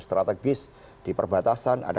strategis di perbatasan ada